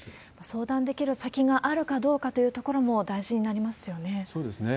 相談できる先があるかどうかというところも、大事になりますそうですね。